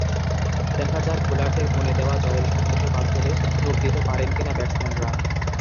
দেখা যাক, বোলারদের বুনে দেওয়া জয়ের স্বপ্নকে বাস্তবে রূপ দিতে পারেন কিনা ব্যাটসম্যানরা।